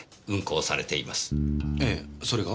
ええそれが？